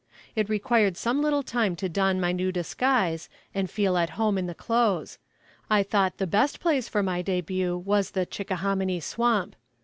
It required some little time to don my new disguise, and feel at home in the clothes. I thought the best place for my debut was the "Chickahominy swamp."